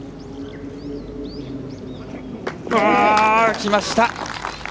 きました！